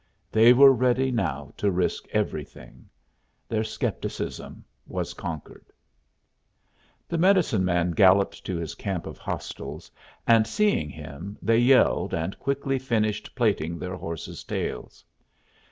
They were ready now to risk everything. Their scepticism was conquered. The medicine man galloped to his camp of hostiles, and, seeing him, they yelled and quickly finished plaiting their horses' tails.